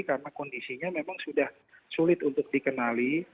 karena kondisinya memang sudah sulit untuk dikenali